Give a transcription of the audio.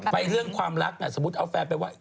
เรื่องความรักสมมุติเอาแฟนไปว่า